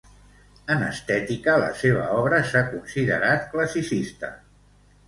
En estètica la seva obra s'ha considerat classicista.